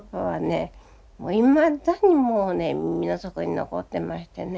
いまだにもうね耳の底に残ってましてね。